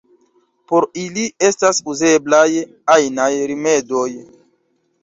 Por ili estas uzeblaj ajnaj rimedoj.